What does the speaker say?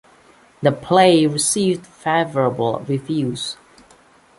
The play received favourable reviews.